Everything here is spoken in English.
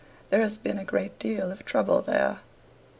"There has been a great deal of trouble there."